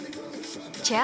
チェア